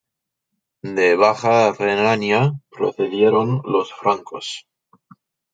De Baja Renania procedieron los francos.